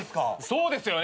そうですよね！